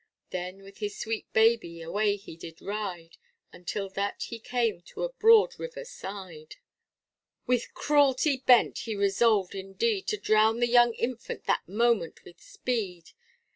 Then with this sweet baby away he did ride Until that he came to a broad river side, With cruelty bent, he resolved indeed, To drown the young infant that moment with speed.